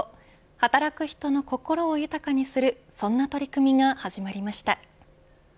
働く人の心を豊かにするそんな取り組みが始まりました。